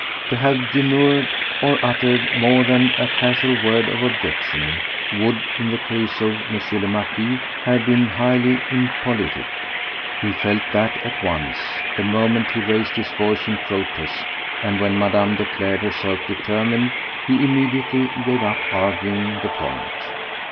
To have demurred, or uttered more than a casual word of objection, would in the case of M. le Marquis have been highly impolitic. He felt that at once, the moment he raised his voice in protest: and when Madame declared herself determined he immediately gave up arguing the point.